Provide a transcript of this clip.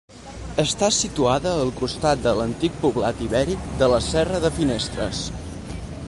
Està situada al costat de l'antic poblat ibèric de la Serra de Finestres.